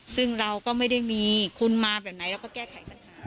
ซึ่งเราก็ไม่ได้มีคุณมาแบบไหนเราก็แก้ไขปัญหา